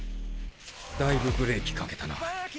だいぶブレーキかけたな。